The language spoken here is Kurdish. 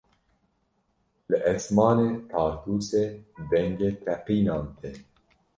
Li esmanê Tartûsê dengê teqînan tê.